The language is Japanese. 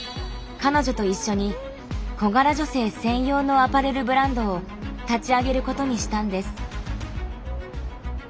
彼女と一緒に小柄女性専用のアパレルブランドを立ち上げることにしたんです。